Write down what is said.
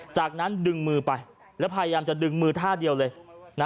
จากนั้นดึงมือไปแล้วพยายามจะดึงมือท่าเดียวเลยนะ